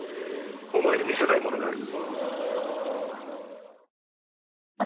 お前に見せたいものがある」